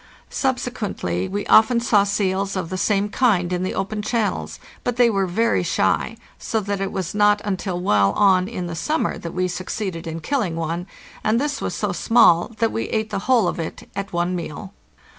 Subsequently we often saw seals of the same kind in the open channels, but they were very shy, so that it was not until well on in the summer that we succeeded in killing one, and this was so small that we ate the whole of it at one meal.